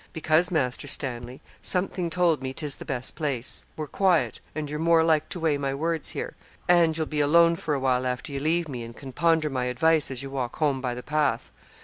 'Because, Master Stanley, something told me 'tis the best place; we're quiet, and you're more like to weigh my words here and you'll be alone for a while after you leave me, and can ponder my advice as you walk home by the path.'